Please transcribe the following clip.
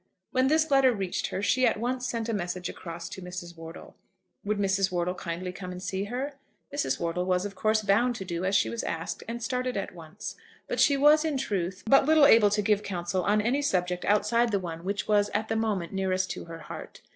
When this letter reached her, she at once sent a message across to Mrs. Wortle. Would Mrs. Wortle kindly come and see her? Mrs. Wortle was, of course, bound to do as she was asked, and started at once. But she was, in truth, but little able to give counsel on any subject outside the one which was at the moment nearest to her heart.